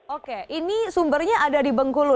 oke ini sumbernya ada di bengkulu